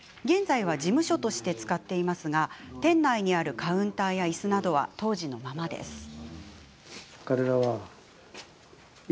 現在は事務所として使っていますが、店内にあるカウンターやいすなどは当時のままです。